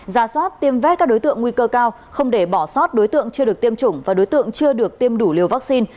ra soát tiêm vét các đối tượng nguy cơ cao không để bỏ sót đối tượng chưa được tiêm chủng và đối tượng chưa được tiêm đủ liều vaccine